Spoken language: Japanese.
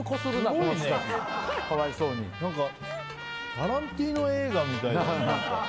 タランティーノ映画みたい。